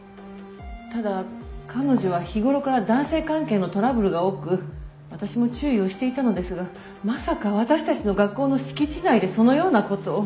ただ彼女は日頃から男性関係のトラブルが多く私も注意をしていたのですがまさか私たちの学校の敷地内でそのようなことを。